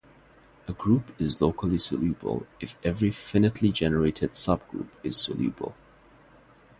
A group is locally soluble if every finitely generated subgroup is soluble.